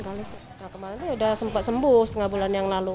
kemarin ada sempat sembuh setengah bulan yang lalu